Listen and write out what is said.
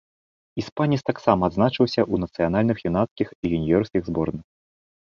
Іспанец таксама адзначыўся ў нацыянальных юнацкіх і юніёрскіх зборных.